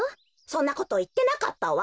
そんなこといってなかったわ。